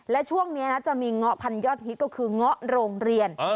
และช่วงนี้นะจะมีเงาะพันธยอดฮิตก็คือเงาะโรงเรียน